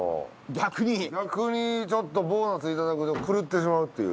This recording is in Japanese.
逆にちょっとボーナスいただくと狂ってしまうっていう。